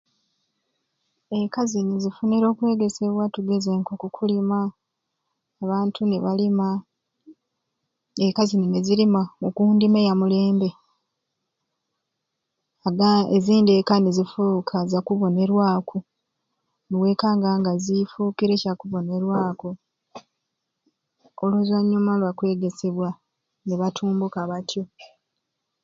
Ekka zini zifunire okwegesebwa tugeze nko kukulima abantu nibalima ekka zini nizirima okundima eyamulembe agandi ezindi ekka nizifuka zakubonerwaku niwekanga nga zifukire kyakubonerwaku oluzwanyuma lwa kwegesebwa nibatumbuka batyo.